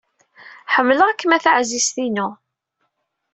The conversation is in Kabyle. Ḥemmleɣ-kem a taɛzizt-inu!